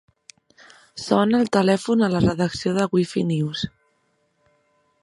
Sona el telèfon a la redacció de Wifi News.